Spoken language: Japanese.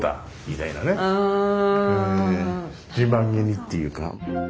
自慢げにっていうか。